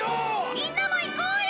みんなも行こうよ！